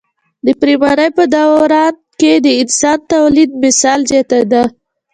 د پریمانۍ په دوران کې د انسان تولیدمثل زیاتېده.